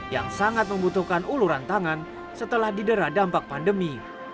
yang sangat membutuhkan uluran tangan setelah didera dampak pandemi